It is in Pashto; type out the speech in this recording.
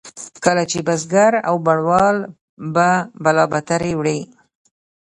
کله چې بزګر او بڼوال به بلابترې وړې.